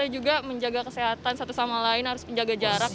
juga menjaga kesehatan satu sama lain harus menjaga jarak